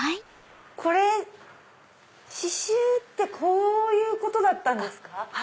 これ刺繍ってこういうことだったんですか？